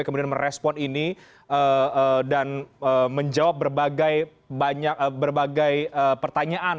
kemudian merespon ini dan menjawab berbagai pertanyaan